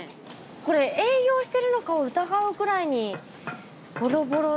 これ営業してるのかを疑うくらいに。